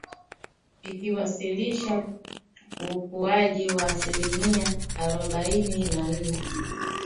ikiwasilisha ukuaji wa asilimia arobaini na nne